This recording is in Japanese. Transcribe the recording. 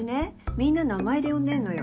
みんな名前で呼んでんのよ。